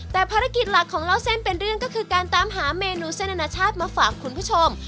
แต่ภารกิจหลักของเล่าเส้นเป็นเรื่องก็คือการตามหาเมนูเส้นอนาชาติมาฝากคุณผู้ชม